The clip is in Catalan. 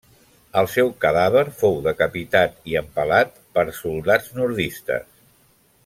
El seu cadàver fou decapitat i empalat per soldats nordistes.